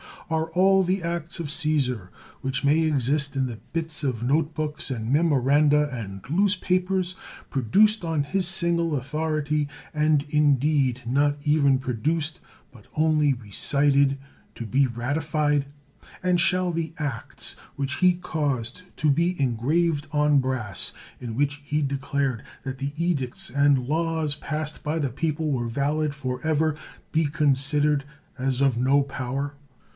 Are all the acts of Csesar which may exist in the bits of note books, and memoranda, and loose papers, produced on his single authority, and indeed not even pro duced, but only recited, to be ratified? And shall the acts which he caused to be engraved on brass, in which he declared that the edicts and laws passed by the people were valid forever, be considered as of no power?